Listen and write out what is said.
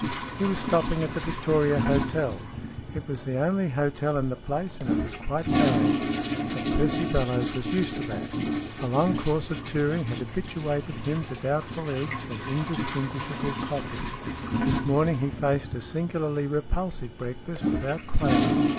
He was stopping at the Victoria Hotel. It was the only hotel in the place, and it was quite bad. But Percy Bellowes was used to that. A long course of touring had habituated him to doubtful eggs and indistinguishable coffee. This morning he faced a singularly repulsive breakfast without quailing.